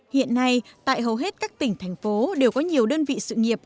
hiện nay tại hầu hết các tỉnh thành phố đều có nhiều đơn vị sự nghiệp